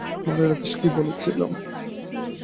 মনে রাখিস কী বলেছিলাম!